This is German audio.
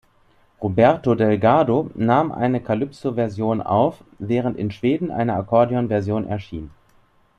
Roberto Delgado nahm eine Calypso-Version auf, während in Schweden eine Akkordeon-Version erschien.